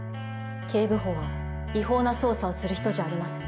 警部補は違法な捜査をする人じゃありません。